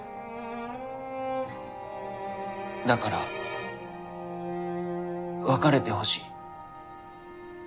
だから別れてほしい。